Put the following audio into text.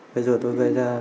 bây giờ tôi gây ra